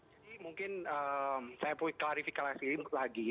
jadi mungkin saya mau klarifikasi lagi